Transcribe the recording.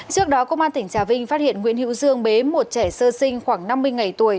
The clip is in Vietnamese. trước đó công an tỉnh trà vinh phát hiện nguyễn hữu dương bế một trẻ sơ sinh khoảng năm mươi ngày tuổi